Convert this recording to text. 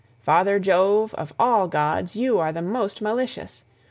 Father Jove, of all gods you are the most malicious.